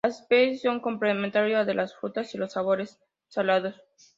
Las especias son complementario al de las frutas y los sabores salados.